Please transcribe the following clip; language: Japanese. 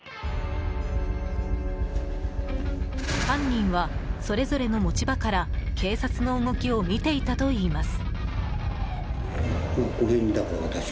犯人はそれぞれの持ち場から警察の動きを見ていたといいます。